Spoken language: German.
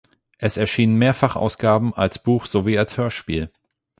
Es erschienen mehrfach Ausgaben als Buch sowie als Hörspiel.